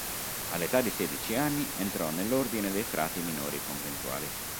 All'età di sedici anni entrò nell'Ordine dei Frati Minori Conventuali.